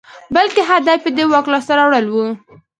بلکې هدف یې د واک لاسته راوړل وو.